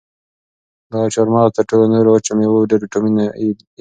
دا چهارمغز تر ټولو نورو وچو مېوو ډېر ویټامین ای لري.